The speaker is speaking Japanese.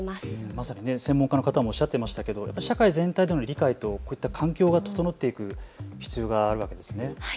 まさに専門家の方もおっしゃっていましたけど社会全体での理解と環境が整っていく必要があるわけですね。